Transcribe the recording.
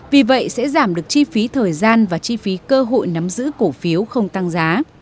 vì vậy sẽ giảm được chi phí thời gian và chi phí cơ hội nắm giữ cổ phiếu không tăng giá